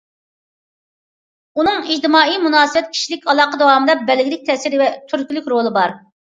ئۇنىڭ ئىجتىمائىي مۇناسىۋەت، كىشىلىك ئالاقە داۋامىدا بەلگىلىك تەسىرى ۋە تۈرتكىلىك رولى بار.